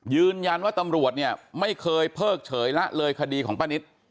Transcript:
ยืนยันว่าตำรวจเนี่ยไม่เคยเพิกเฉยละเลยคดีของป้านิต